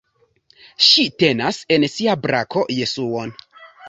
Ŝi tenas en sia brako Jesuon.